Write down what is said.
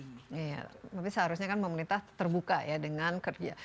iya tapi seharusnya kan pemerintah terbuka ya dengan kerja